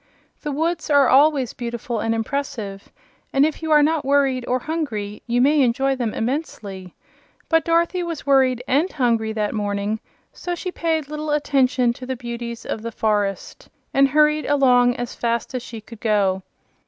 The woods are always beautiful and impressive, and if you are not worried or hungry you may enjoy them immensely; but Dorothy was worried and hungry that morning, so she paid little attention to the beauties of the forest, and hurried along as fast as she could go.